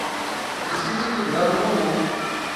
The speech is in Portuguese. Precisa equilibrar um ao outro